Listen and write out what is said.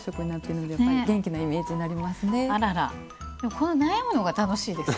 この悩むのが楽しいですね。